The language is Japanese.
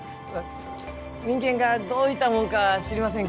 民権がどういたもんか知りません